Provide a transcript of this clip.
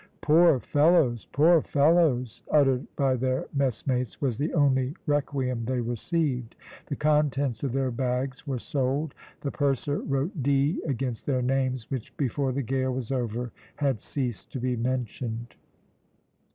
"Poor fellows! poor fellows!" uttered by their messmates, was the only requiem they received the contents of their bags were sold; the purser wrote D against their names, which before the gale was over had ceased to be mentioned.